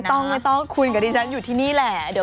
ฉันยังว่าคุณก็อยู่ที่นี้แหละ